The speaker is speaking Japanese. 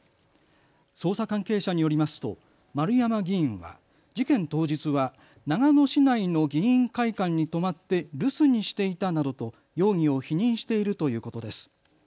捜査関係者によりますと丸山議員は事件当日は長野市内の議員会館に泊まって留守にしていたなどと容疑を否認しているということです。